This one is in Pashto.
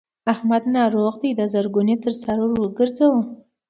احمد ناروغ دی؛ دا زرګون يې تر سر ور ګورځوه.